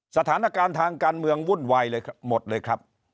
สถานการณ์ทางการเมืองวุ่นวัยหมดเลยครับ